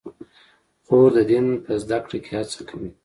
خور د دین په زده کړه کې هڅه کوي.